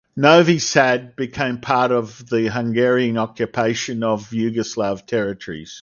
Novi Sad became part of the Hungarian occupation of Yugoslav territories.